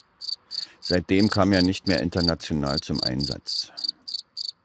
Seitdem kam er nicht mehr international zum Einsatz.